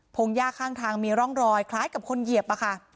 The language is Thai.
พงยาข้างทางมีร่องรอยคล้ายกับคนเหยียบ